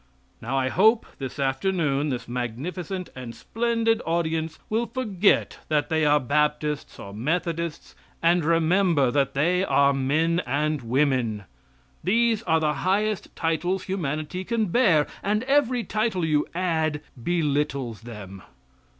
Now I hope, this afternoon, this magnificent and splendid audience will forget that they are Baptists or Methodists, and remember that they are men and women. These are the highest titles humanity can bear and every title you add, belittles them.